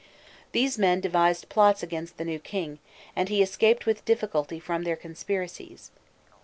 These men devised plots against the new king, and he escaped with difficulty from their conspiracies.